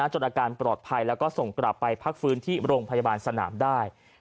อาการปลอดภัยแล้วก็ส่งกลับไปพักฟื้นที่โรงพยาบาลสนามได้